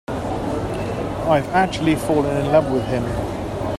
I've actually fallen in love with him.